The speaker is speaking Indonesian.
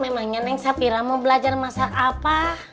memangnya neng sapira mau belajar masak apa